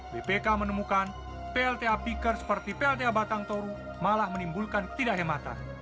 bpk menemukan plta piker seperti plta batang toru malah menimbulkan ketidak hematan